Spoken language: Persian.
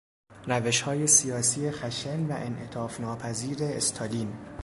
روشهای سیاسی خشن و انعطاف ناپذیر استالین